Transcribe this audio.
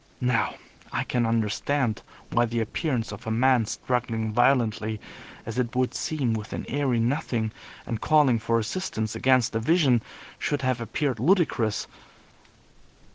Now, I can understand why the appearance of a man struggling violently, as it would seem, with an airy nothing, and calling for assistance against a vision, should have appeared ludicrous.